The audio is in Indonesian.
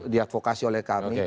diavokasi oleh kami